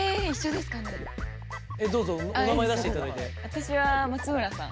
私は松村さん。